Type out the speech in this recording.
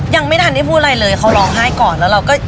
ยังไม่ทันได้พูดอะไรเลยเขาร้องไห้ก่อนแล้วเราก็